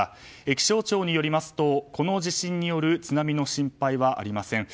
気象庁によりますとこの地震による津波の心配はありません。